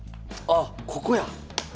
あっここや！